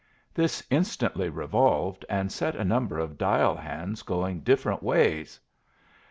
This instantly revolved and set a number of dial hands going different ways.